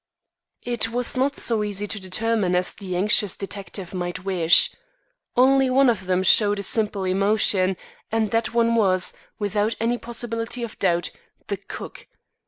It was not so easy to determine as the anxious detective might wish. Only one of them showed a simple emotion, and that one was, without any possibility of doubt, the cook.